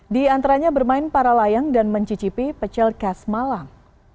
di antaranya bermain para layang dan mencicipi pecel khas malang